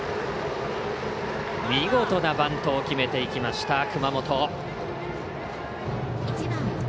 見事なバントを決めていきました熊本。